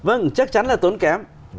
vâng chắc chắn là tốn kém